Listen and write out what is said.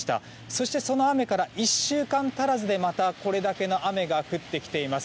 そして、その雨から１週間足らずでまたこれだけの雨が降ってきています。